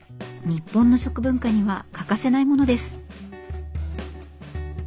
日本の食文化には欠かせないものです。